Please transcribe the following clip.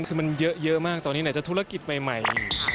คือมันเยอะมากตอนนี้ไหนจะธุรกิจใหม่